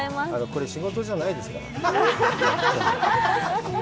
これ仕事じゃないですから。